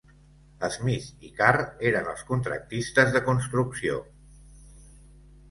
Smith i Carr eren els contractistes de construcció.